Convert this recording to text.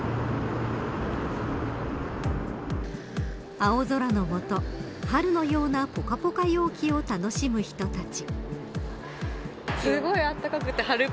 青空の下春のようなぽかぽか陽気を楽しむ人たち。